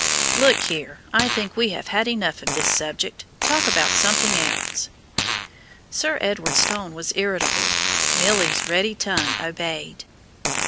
"Look here, I think we have had enough of this subject. Talk about something else." Sir Edward's tone was irritable. Milly's ready tongue obeyed.